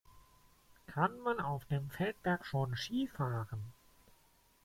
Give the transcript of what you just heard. Kann man auf dem Feldberg schon Ski fahren?